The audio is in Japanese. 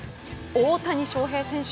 大谷翔平選手